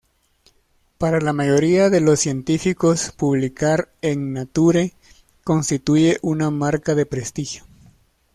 Para la mayoría de los científicos publicar en "Nature" constituye una marca de prestigio.